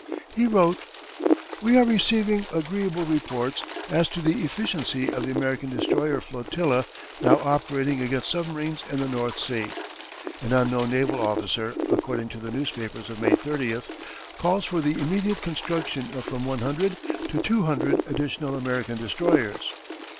He wrote: We are receiving agreeable reports as to the efficiency of the American destroyer flotilla now operating against submarines in the North Sea. An unknown naval officer, according to the newspapers of May 30th, calls for the immediate construction of from 100 to 200 additional American destroyers.